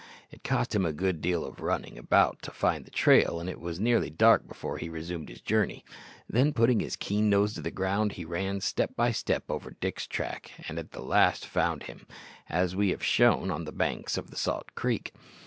It cost him a good deal of running about to find the trail, and it was nearly dark before he resumed his journey; then, putting his keen nose to the ground, he ran step by step over Dick's track, and at last found him, as we have shown, on the banks of the salt creek.